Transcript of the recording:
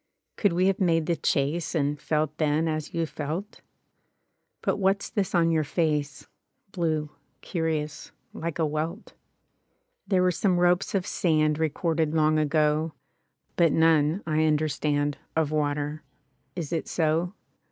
— Could we have made the chase. And felt then as you felt? — But what's this on your face, Blue, curious, like a welt? There were some ropes of sand Recorded long ago. But none, I understand. Of water. Is it so?